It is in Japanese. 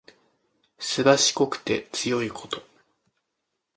すばしこくて強いこと。